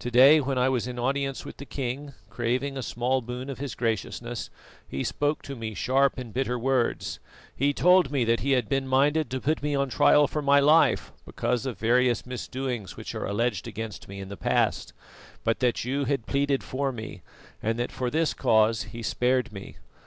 To day when I was in audience with the king, craving a small boon of his graciousness, he spoke to me sharp and bitter words. He told me that he had been minded to put me on trial for my life because of various misdoings which are alleged against me in the past, but that you had pleaded for me and that for this cause he spared me.